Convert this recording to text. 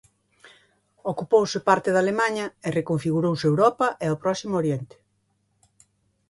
Ocupouse parte de Alemaña e reconfigurouse Europa e o Próximo Oriente.